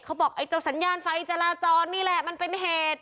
เขาบอกไอ้เจ้าสัญญาณไฟจราจรนี่แหละมันเป็นเหตุ